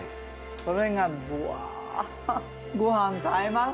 それがぶわご飯と合います。